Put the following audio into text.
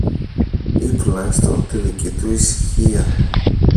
ή τουλάχιστον τη δική του ησυχία.